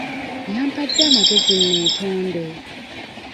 Yampadde amagezi neetonde.